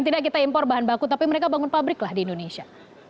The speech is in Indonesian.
tidak kita impor bahan baku tapi mereka bangun pabrik lah di indonesia